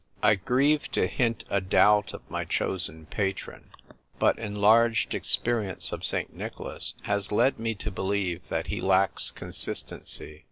I GRIEVE to hint a doubt of my chosen patron, but enlarged experience of St. Nicholas has led me to believe that he lacks consistency.